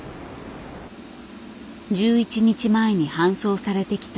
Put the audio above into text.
１１日前に搬送されてきた